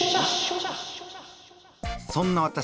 そんな私